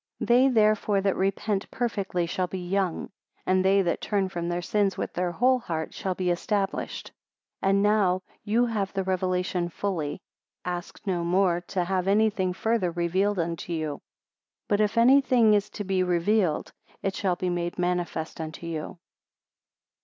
131 They therefore that repent perfectly, shall be young; and they that turn from their sins with their whole heart, shall be established. 132 And now you have the Revelation fully, ask no more to have any thing farther revealed unto you. 133 But if any thing is to be revealed, it shall be made manifest unto you.